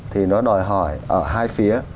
thì nó đòi hỏi ở hai phía